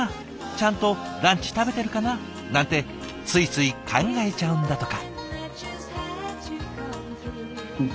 「ちゃんとランチ食べてるかな？」なんてついつい考えちゃうんだとか。